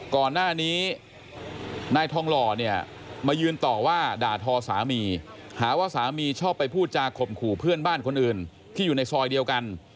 ก่อนหน้านี้นายทองหล่อเนี่ยมายืนต่อว่าด่าทอสามีหาว่าสามีชอบไปพูดจาข่มขู่เพื่อนบ้านคนอื่นที่อยู่ในซอยเดียวกัน